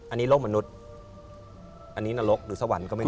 อันนี้โลกมนุษย์อันนี้นรกหรือสวรรค์ก็ไม่รู้